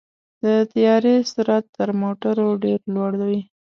د طیارې سرعت تر موټرو ډېر لوړ وي.